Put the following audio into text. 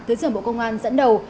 thứ trưởng bộ công an dẫn đầu